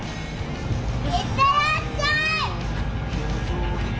行ってらっしゃい！